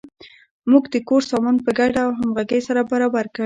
موږ د کور سامان په ګډه او همغږۍ سره برابر کړ.